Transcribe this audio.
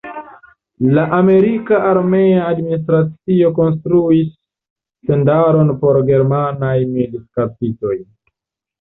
La amerika armea administracio konstruis tendaron por germanaj militkaptitoj.